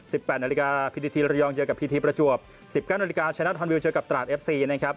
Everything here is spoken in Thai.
แปดนาฬิกาพีทีระยองเจอกับพีทีประจวบสิบเก้านาฬิกาชนะฮอนวิวเจอกับตราดเอฟซีนะครับ